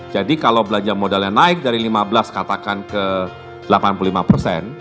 jadi kalau belanja modal yang naik dari lima belas katakan ke delapan puluh lima berarti ada kenaikan kira kira tujuh puluh